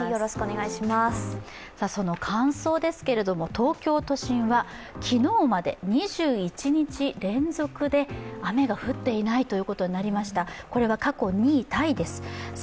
乾燥ですけれども東京都心は昨日まで２１日連続で雨が降っていないということになりました。